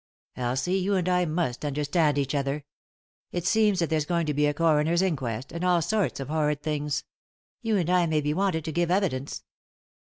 "Elsie, you and I must understand each other. It seems that there's going to be a coroner's inquest ; and all sorts of horrid things. You and I may be wanted to give evidence."